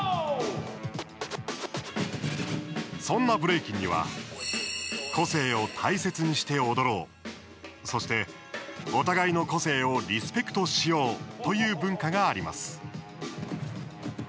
そんなブレイキンには個性を大切にして踊ろうそして、お互いの個性をリスペクトしようという文化があります。